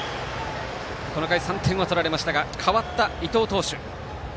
この回、３点を取られましたが代わった伊東投手。